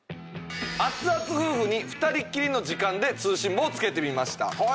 アツアツ夫婦に２人っきりの時間で通信簿を付けてみました。